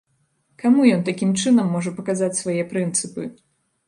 Каму ён такім чынам можа паказаць свае прынцыпы?